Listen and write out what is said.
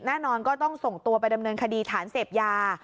แน่นอนก็ต้องส่งตัวไปดำเนินคดีฐานเสพยา